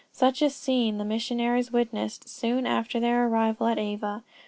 Such a scene the missionaires witnessed soon after their arrival at Ava.